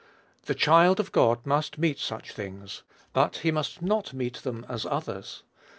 The child of God must meet such things; but he must not meet them as others.